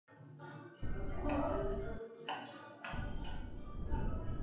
群馬県神流町